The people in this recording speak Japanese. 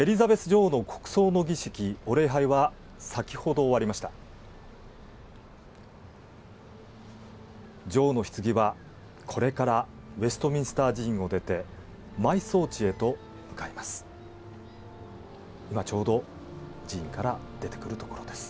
女王のひつぎはこれからウェストミンスター寺院を出て埋葬地へと向かいます。